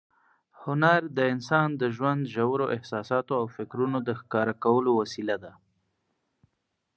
هنر د انسان د ژوند ژورو احساساتو او فکرونو د ښکاره کولو وسیله ده.